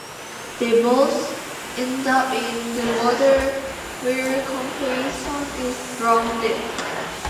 They both end up in the water where Compeyson is drowned.